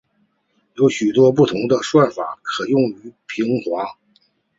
有许多不同的算法可用于平滑。